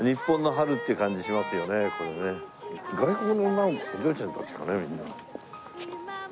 外国の女の子お嬢ちゃんたちかねみんな。